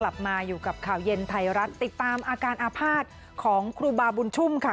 กลับมาอยู่กับข่าวเย็นไทยรัฐติดตามอาการอาภาษณ์ของครูบาบุญชุ่มค่ะ